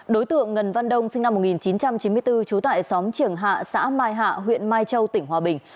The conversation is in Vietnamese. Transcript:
đối tượng ngân văn đông sinh năm một nghìn chín trăm chín mươi bốn trú tại xóm triềng hạ xã mai hạ huyện mai châu tỉnh hòa bình